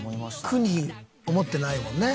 苦に思ってないもんね。